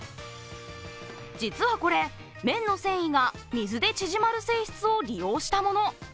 実はこれ、綿の繊維が水で縮まる性質を利用したもの。